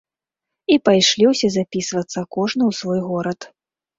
І пайшлі ўсе запісвацца, кожны ў свой горад.